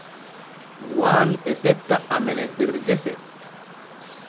Waanu e tetta amene der gese.